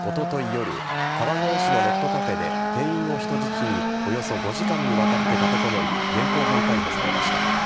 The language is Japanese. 夜川越市のネットカフェで店員を人質におよそ５時間にわたって立てこもり現行犯逮捕されました。